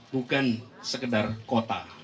bukan sekedar kota